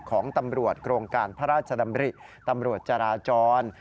ของตำรวจโครงการพระราชดำริตำรวจจราจร